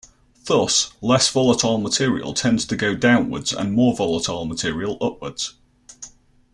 Thus, less volatile material tends to go downwards, and more volatile material upwards.